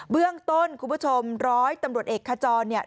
เบื้องต้นคุณผู้ชม๑๐๐ตำรวจเอกขจร